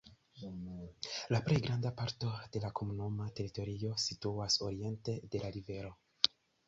La plej granda parto de la komunuma teritorio situas oriente de la rivero.